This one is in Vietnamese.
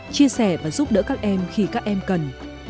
chia sẻ và giúp đỡ các em khi các em cần